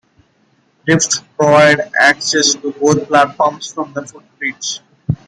Lifts provide access to both platforms from the footbridge.